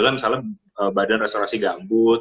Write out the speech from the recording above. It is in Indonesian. misalnya badan restorasi gambut